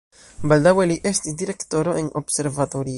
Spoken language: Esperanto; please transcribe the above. Baldaŭe li estis direktoro en observatorio.